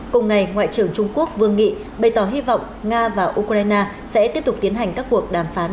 cùng ngày ngoại trưởng trung quốc vương nghị bày tỏ hy vọng nga và ukraine sẽ tiếp tục tiến hành các cuộc đàm phán